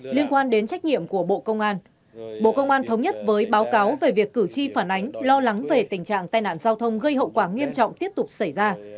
liên quan đến trách nhiệm của bộ công an bộ công an thống nhất với báo cáo về việc cử tri phản ánh lo lắng về tình trạng tai nạn giao thông gây hậu quả nghiêm trọng tiếp tục xảy ra